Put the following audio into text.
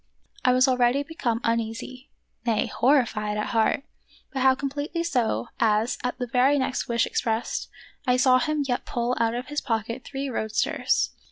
I was already become uneasy, nay, horrified at heart, but how completely so, as, at the very next wish expressed, I saw him yet pull out of his pocket three roadsters.